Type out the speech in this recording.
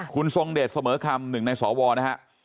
คุณทรงเดชน์เสมอคำ๑ในสอวอลนะครับ